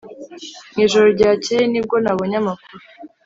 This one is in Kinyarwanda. mu ijoro ryakeye nibwo nabonye amakuru.